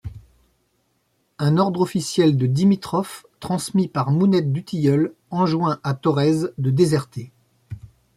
Un ordre officiel de Dimitrov, transmis par Mounette Dutilleul, enjoint à Thorez de déserter.